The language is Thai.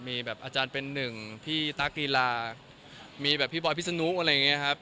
มีแบบอาจารย์เป็นหนึ่งพี่ตั๊กกีฬามีแบบพี่บอยพิษนุอะไรอย่างนี้ครับ